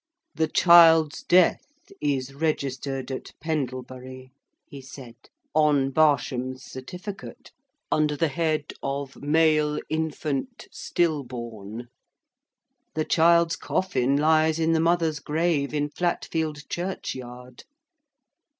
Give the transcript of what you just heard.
"The child's death is registered, at Pendlebury," he said, "on Barsham's certificate, under the head of Male Infant, Still Born. The child's coffin lies in the mother's grave, in Flatfield churchyard.